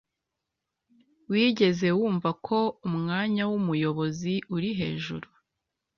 wigeze wumva ko umwanya wumuyobozi uri hejuru